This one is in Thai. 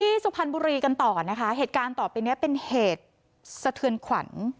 สุพรรณบุรีกันต่อนะคะเหตุการณ์ต่อไปเนี้ยเป็นเหตุสะเทือนขวัญ